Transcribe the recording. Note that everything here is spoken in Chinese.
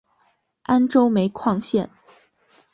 安州煤矿线